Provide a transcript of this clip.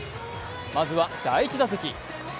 まずは第１打席。